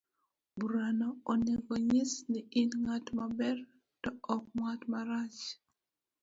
Baruano onego onyis ni in ng'at maber to ok ng'at marach.